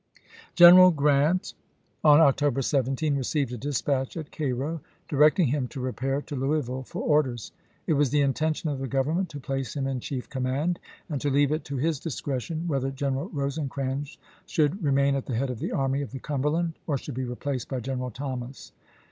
General Grant on October 17 received a dispatch, ..p/r^'sonai at Cairo, directing him to repair to Louisville for vol^il!" orders. It was the intention of the Government to ^'^^" place him in chief command, and to leave it to his discretion whether General Eosecrans should re main at the head of the Army of the Cumberland or should be replaced by General Thomas.